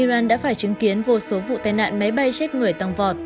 iran đã phải chứng kiến vô số vụ tai nạn máy bay chết người tăng vọt